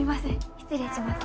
失礼します。